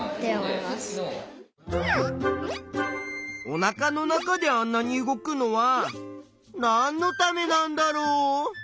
おなかの中であんなに動くのはなんのためなんだろう？